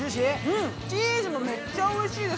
チーズもめっちゃおいしいです。